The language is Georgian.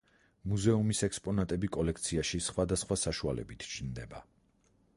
მუზეუმის ექსპონატები კოლექციაში სხვადასხვა საშუალებით ჩნდება.